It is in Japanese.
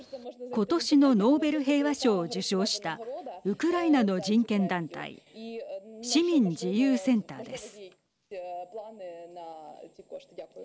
今年のノーベル平和賞を受賞したウクライナの人権団体市民自由センターです。